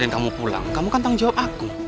kamu kan tanggung jawab aku